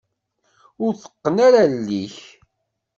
Ur tteqqen ara allen-ik.